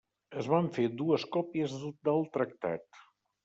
Es van fer dues còpies del tractat.